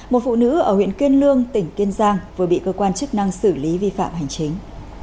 một phụ nữ ở huyện kiên lương tỉnh kiên giang vừa bị cơ quan chức năng xử lý vi phạm hành chính